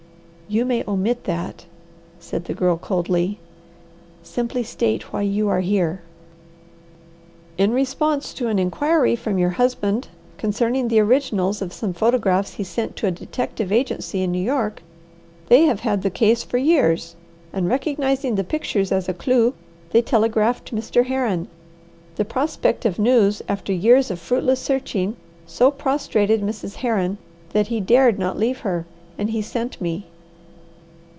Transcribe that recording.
"You may omit that," said the Girl coldly. "Simply state why you are here." "In response to an inquiry from your husband concerning the originals of some photographs he sent to a detective agency in New York. They have had the case for years, and recognizing the pictures as a clue, they telegraphed Mr. Herron. The prospect of news after years of fruitless searching so prostrated Mrs. Herron that he dared not leave her, and he sent me."